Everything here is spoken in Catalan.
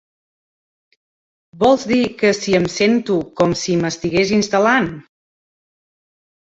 Vols dir que si em sento com si m'estigués instal·lant?